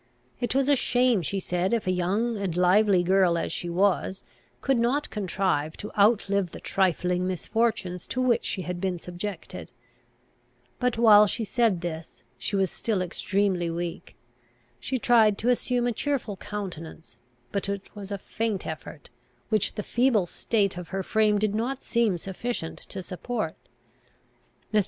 It was a shame, she said, if a young and lively girl, as she was, could not contrive to outlive the trifling misfortunes to which she had been subjected. But, while she said this, she was still extremely weak. She tried to assume a cheerful countenance; but it was a faint effort, which the feeble state of her frame did not seem sufficient to support. Mr.